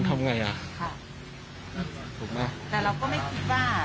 ทำไงอ่ะใช่ถูกไหมแต่เราก็ไม่คิดว่าการอ่า